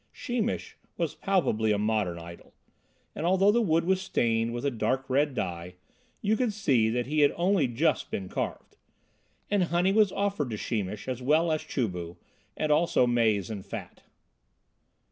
Sheemish was palpably a modern idol, and although the wood was stained with a dark red dye, you could see that he had only just been carved. And honey was offered to Sheemish as well as Chu bu, and also maize and fat.